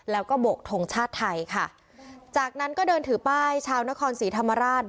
แล้วก็บกทงชาติไทยค่ะจากนั้นก็เดินถือป้ายชาวนครศรีธรรมราช